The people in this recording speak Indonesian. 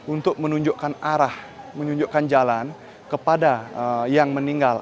untuk menunjukkan arah menunjukkan jalan kepada yang meninggal